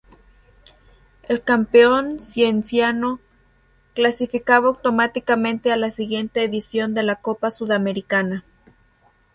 El campeón Cienciano clasificaba automáticamente a la siguiente edición de la Copa Sudamericana.